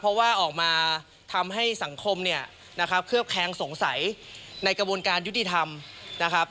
เพราะว่าออกมาทำให้สังคมเนี่ยนะครับเคลือบแคงสงสัยในกระบวนการยุติธรรมนะครับ